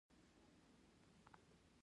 په افغانستان کې بادي انرژي ډېر اهمیت لري.